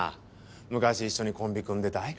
昔一緒にコンビ組んでた相方やんか。